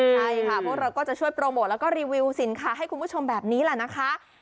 ใช่ค่ะพวกเราก็จะช่วยโปรโมทแล้วก็รีวิวสินค้าให้คุณผู้ชมแบบนี้แหละนะคะ